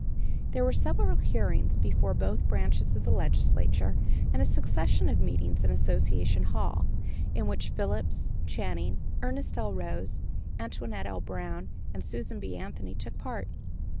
There were several hearings before both branches of the legislature, and a succession of meetings in Association Hall, in which Phillips, Channing, Ernestine L. Rose, Antoinette L. Brown, and Susan B. Anthony took part.